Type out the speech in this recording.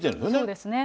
そうですね。